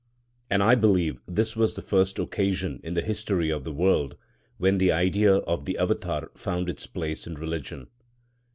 And I believe this was the first occasion in the history of the world when the idea of the Avatâr found its place in religion.